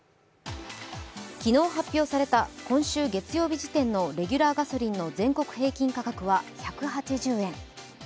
昨日発表された今週月曜日時点のレギュラーガソリンの全国平均価格は１８０円。